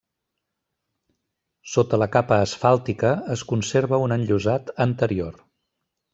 Sota la capa asfàltica es conserva un enllosat anterior.